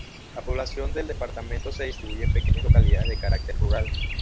La población del departamento se distribuye en pequeñas localidades de carácter rural.